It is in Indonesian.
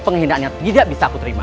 tenangkan dirimu putriku